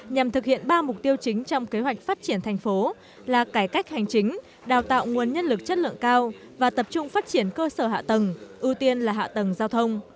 nhằm thực hiện ba mục tiêu chính trong kế hoạch phát triển thành phố là cải cách hành chính đào tạo nguồn nhân lực chất lượng cao và tập trung phát triển cơ sở hạ tầng ưu tiên là hạ tầng giao thông